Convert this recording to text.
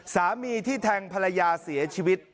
สามีที่แทงภรรยาเสียชีวิต